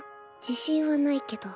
自信はないけど。